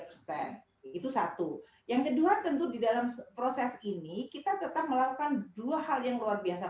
persen itu satu yang kedua tentu di dalam proses ini kita tetap melakukan dua hal yang luar biasa